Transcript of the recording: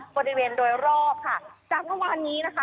บริเวณโดยรอบค่ะจากเมื่อวานนี้นะคะ